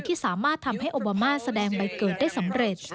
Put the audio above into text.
ที่สามารถทำให้โอบามาแสดงใบเกิดได้สำเร็จ